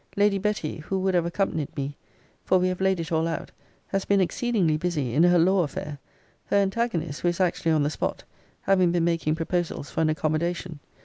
Lady Betty, who would have accompanied me, (for we have laid it all out,) has been exceedingly busy in her law affair; her antagonist, who is actually on the spot, having been making proposals for an accommodation.